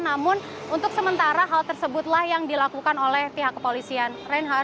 namun untuk sementara hal tersebutlah yang dilakukan oleh pihak kepolisian reinhardt